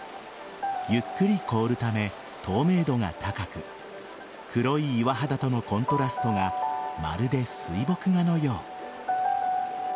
ゆっくり凍るため透明度が高く黒い岩肌とのコントラストがまるで水墨画のよう。